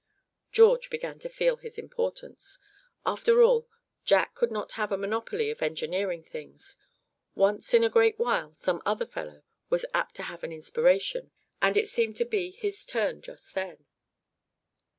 George began to feel his importance. After all, Jack could not have a monopoly of engineering things; once in a great while some other fellow was apt to have an inspiration; and it seemed to be his turn just then.